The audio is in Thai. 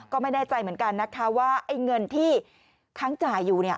ก็ไม่แน่ใจเหมือนกันนะคะว่าไอ้เงินที่ค้างจ่ายอยู่เนี่ย